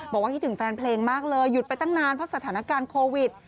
บอกว่าคิดถึงแฟนเพลงมากเลยหยุดไปตั้งนานเพราะสถานการณ์โควิด